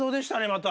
また。